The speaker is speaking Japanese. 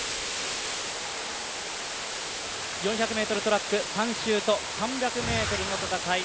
４００ｍトラック３周と３００ｍの戦い。